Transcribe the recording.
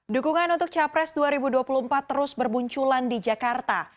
dukungan untuk capres dua ribu dua puluh empat terus bermunculan di jakarta